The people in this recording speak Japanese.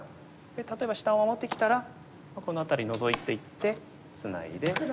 例えば下を守ってきたらこの辺りノゾいていってツナいで。